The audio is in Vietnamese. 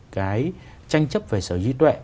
cái tranh chấp về sở hữu trí tuệ